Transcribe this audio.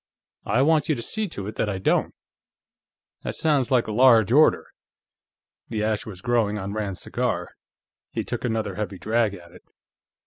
I want you to see to it that I don't." "That sounds like a large order." The ash was growing on Rand's cigar; he took another heavy drag at it.